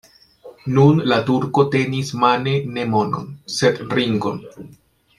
Nun la turko tenis mane ne monon, sed ringon.